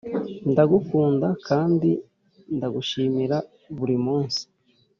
ndagukunda kandi ndagushimira burimunsi